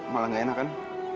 malah gak enak kan